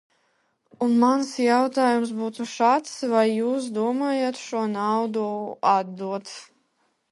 Un mans jautājums būtu šāds: vai jūs domājat šo naudu atdot?